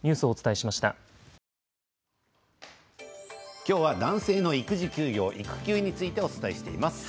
今日は男性の育児休業育休についてお伝えしています。